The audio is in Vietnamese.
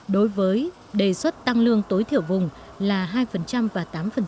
đối với đề xuất tăng lương tối thiểu vùng là hai và tám